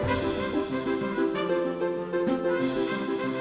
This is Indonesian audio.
astagfirullahaladzim ya allah